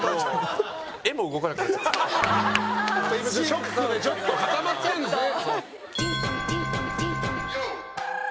ショックでちょっと固まってるんですね